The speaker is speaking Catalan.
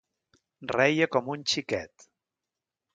Reia com un xiquet.